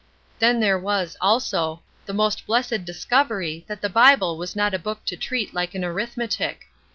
Then there was, also, the most blessed discovery that the Bible was not a book to treat like an arithmetic.